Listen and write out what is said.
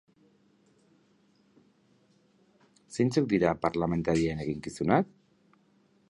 Zeintzuk dira parlamentarien eginkizunak?